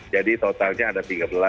jadi totalnya ada tiga belas